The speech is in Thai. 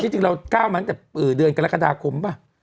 จริงเราก้าวหลังจากเดือนกรกฎาคมป่ะ